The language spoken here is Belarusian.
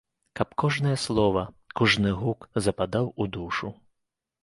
Каб кожнае слова, кожны гук западаў у душу.